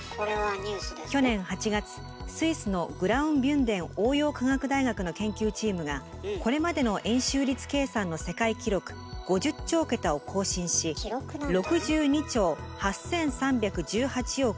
去年８月スイスのグラウビュンデン応用科学大学の研究チームがこれまでの円周率計算の世界記録５０兆桁を更新し計算したと発表しました。